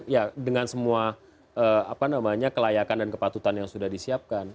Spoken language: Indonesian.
ya dengan semua kelayakan dan kepatutan yang sudah disiapkan